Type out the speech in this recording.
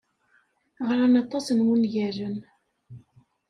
Ɣran aṭas n wungalen.